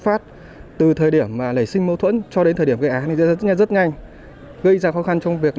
phát từ thời điểm mà nảy sinh mâu thuẫn cho đến thời điểm gây án rất nhanh gây ra khó khăn trong việc